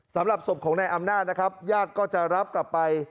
สำหรับศพของนายอำนาจนะครับญาติก็จะรับกลับไป